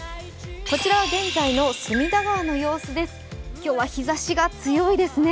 今日は日ざしが強いですね。